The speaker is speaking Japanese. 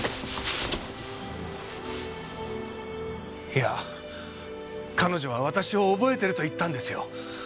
いや彼女は私を覚えていると言ったんですよ。